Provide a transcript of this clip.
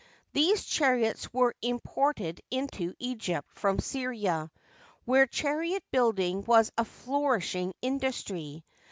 These chariots were imported into Egypt from Syria, where chariot building was a flourishing industry.